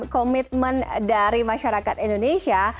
komitmen dari masyarakat indonesia